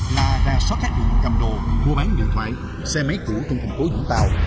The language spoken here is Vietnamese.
là ra xót khắc định cầm đồ mua bán điện thoại xe máy cũ từng thành phố vũng tàu